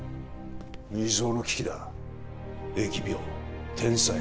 未曽有の危機だ疫病天災